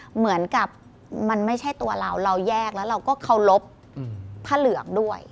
เหมือนกับมันไม่ใช่ตัวเราเราแยกแล้วเราก็เคารพผ้าเหลืองด้วย